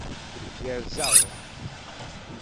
Gerseɣ.